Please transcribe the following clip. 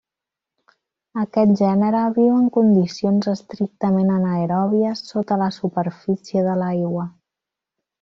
Aquest gènere viu en condicions estrictament anaeròbies sota la superfície de l'aigua.